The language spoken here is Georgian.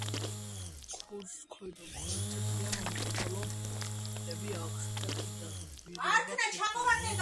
ქუდს ქვედა მხარეს თეთრი ან მოყვითალო ფირფიტები აქვს, ფეხი და რბილობი თეთრია.